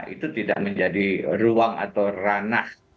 itu tidak menjadi ruang atau ranah